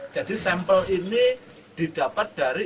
jadi sampel ini didapat dari